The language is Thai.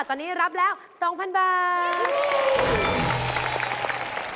ตอนนี้รับแล้ว๒๐๐๐บาท